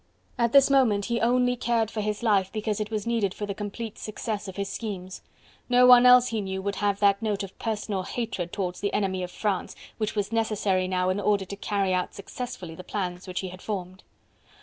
At this moment he only cared for his life because it was needed for the complete success of his schemes. No one else he knew would have that note of personal hatred towards the enemy of France which was necessary now in order to carry out successfully the plans which he had formed.